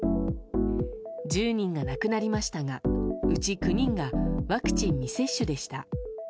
１０人が亡くなりましたがうち９人がワクチン未接種でした。